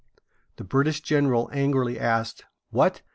The British general angrily asked: "What!